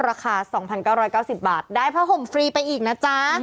ราคา๒๙๙๐บาทได้ผ้าห่มฟรีไปอีกนะจ๊ะ